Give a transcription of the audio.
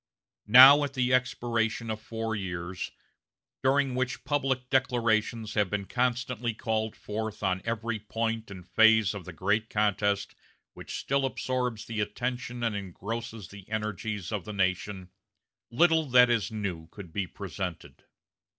Now, at the expiration of four years, during which public declarations have been constantly called forth on every point and phase of the great contest which still absorbs the attention and engrosses the energies of the nation, little that is new could be presented.